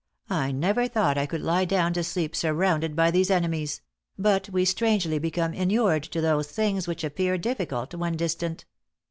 I never thought I could lie down to sleep surrounded by these enemies; but we strangely become inured to those things which appear difficult when distant."